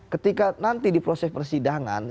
ketika nanti di proses persidangan